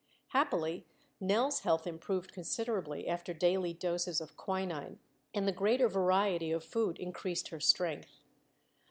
Happily Nell's health improved considerably after daily doses of quinine, and the greater variety of food increased her strength.